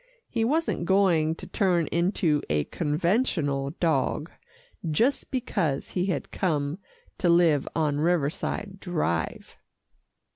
He wasn't going to turn into a conventional dog, just because he had come to live on Riverside Drive.